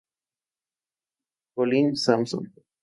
Colin Sampson.